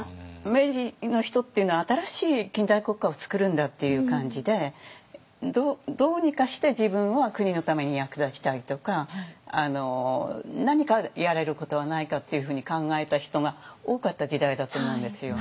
明治の人っていうのは新しい近代国家を作るんだっていう感じでどうにかして自分は国のために役立ちたいとか何かやれることはないかっていうふうに考えた人が多かった時代だと思うんですよ。